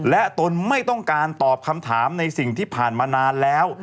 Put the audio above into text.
และตนไม่ต้องการตอบคำถามในสิ่งที่ผ่านมานานแล้ว